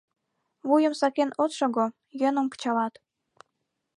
Вуйым сакен от шого, йӧным кычалат.